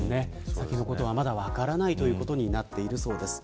先のことはまだ分からないということになっているそうです。